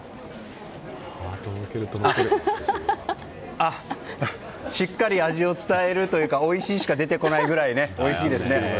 ああしっかり味を伝えるというかおいしいしか出てこないくらいおいしいですね。